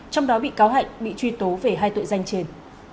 trong đó bị cáo hạnh bị truy tố về hai tội danh trên